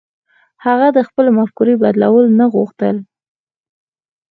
هغه د خپلې مفکورې بدلول نه غوښتل.